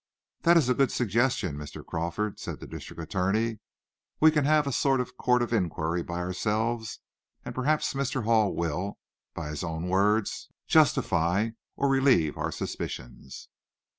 "That is a good suggestion, Mr. Crawford," said the district attorney. "We can have a sort of court of inquiry by ourselves, and perhaps Mr. Hall will, by his own words, justify or relieve our suspicions."